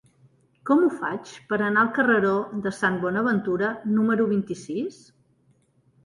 Com ho faig per anar al carreró de Sant Bonaventura número vint-i-sis?